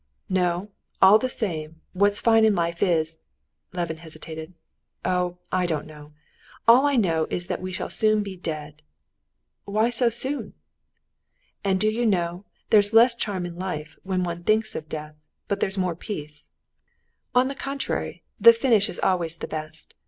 "No; all the same, what's fine in life is...." Levin hesitated—"oh, I don't know. All I know is that we shall soon be dead." "Why so soon?" "And do you know, there's less charm in life, when one thinks of death, but there's more peace." "On the contrary, the finish is always the best.